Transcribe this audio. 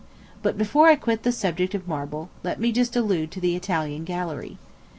But before I quit the subject of marble, let me just allude to the Italian gallery.